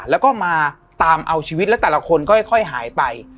แล้วก็มาตามเอาชีวิตแล้วแต่ละคนก็ค่อยหายไป